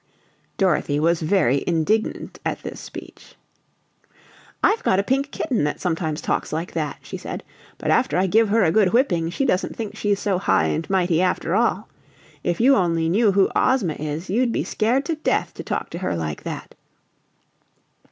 Dorothy was very indignant at this speech. "I've got a pink kitten that sometimes talks like that," she said, "but after I give her a good whipping she doesn't think she's so high and mighty after all. If you only knew who Ozma is you'd be scared to death to talk to her like that!"